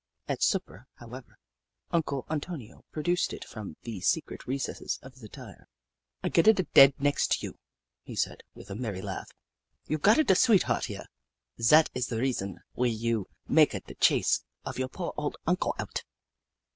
At supper, however, Uncle Antonio pro duced it from the secret recesses of his attire. Hoop La 149 " I getta da dead next to you," he said, with a merry laugh. "You gotta da sweetheart here. Zat is ze reason w'y you maka da chase of your poor old Oncle out.